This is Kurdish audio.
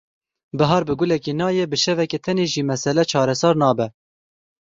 Bihar bi gulekê nayê bi şeveke tenê jî mesele çareser nabe.